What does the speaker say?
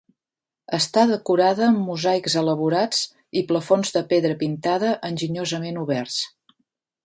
Està decorada amb mosaics elaborats i plafons de pedra pintada enginyosament oberts.